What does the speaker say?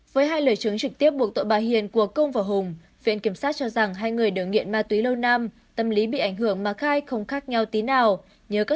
với hai lời chứng trực tiếp buộc tội bà hiền của công và hùng viện kiểm sát cho rằng hai người đều nghiện ma túy lâu năm tâm lý bị ảnh hưởng mà khai không khác nhau tí nào